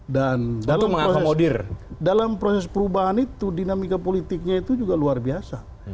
dalam proses perubahan itu dinamika politiknya itu juga luar biasa